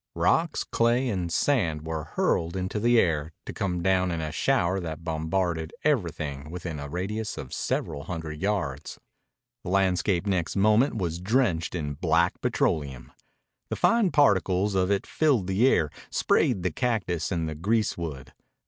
Rocks, clay, and sand were hurled into the air, to come down in a shower that bombarded everything within a radius of several hundred yards. The landscape next moment was drenched in black petroleum. The fine particles of it filled the air, sprayed the cactus and the greasewood.